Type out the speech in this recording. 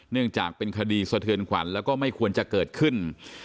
เนื่องจากเป็นคดีสะเทือนขวัญแล้วก็ไม่ควรจะเกิดขึ้น